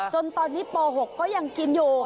จนตอนนี้ป๖ก็ยังกินอยู่